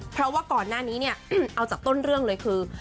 เพราะว่าก่อนหน้านี้เนี่ยเอาจากต้นเรื่องเลยคือ